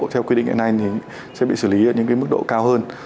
theo quy định hiện nay thì sẽ bị xử lý ở những mức độ cao hơn